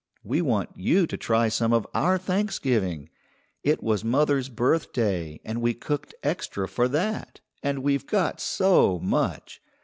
We want you to try some of our Thanksgiving. It was mother's birthday, and we cooked extra for that, and we've got so much.